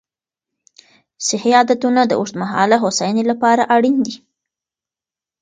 صحي عادتونه د اوږدمهاله هوساینې لپاره اړین دي.